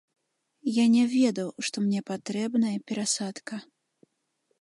Я не ведаў, што мне патрэбная перасадка.